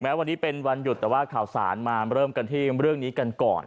วันนี้เป็นวันหยุดแต่ว่าข่าวสารมาเริ่มกันที่เรื่องนี้กันก่อน